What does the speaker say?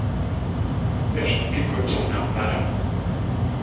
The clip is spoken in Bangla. এসব কী করছেন আপনারা?